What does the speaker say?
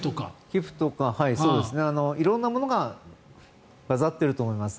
皮膚とか、色んなものが混ざっていると思います。